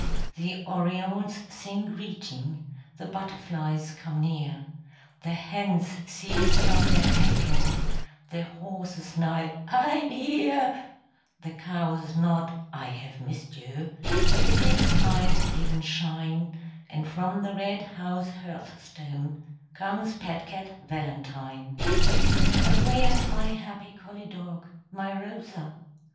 The orioles sing greeting, The butterflies come near, The hens cease not their cackling, The horses neigh "I'm here," The cows nod "I have missed you," The pigs' eyes even shine, And from the red house hearth stone Comes pet cat Valentine. But where's my happy collie dog, My Rosa?